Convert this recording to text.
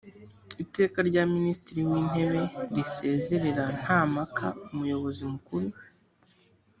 iteka rya minisitiri w intebe risezerera nta mpaka umuyobozi mukuru